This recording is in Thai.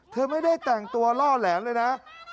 เธอไม่ได้แต่งตัวล่อแหลมเลยนะ